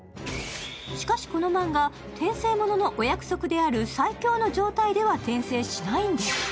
しかしこのマンガ、転生もののお約束である最強の状態では転生しないんです。